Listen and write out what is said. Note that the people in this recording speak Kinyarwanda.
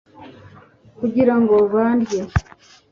kugira ngo bandye